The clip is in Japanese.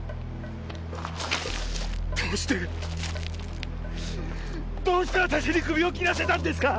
どうしてどうして私にクビを切らせたんですか！